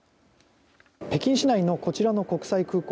北京市内のこちらの国際空港。